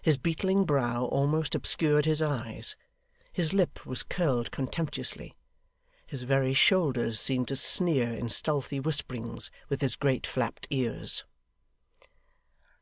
His beetling brow almost obscured his eyes; his lip was curled contemptuously; his very shoulders seemed to sneer in stealthy whisperings with his great flapped ears.